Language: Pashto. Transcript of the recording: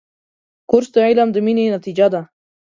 کورس د علم د مینې نتیجه ده.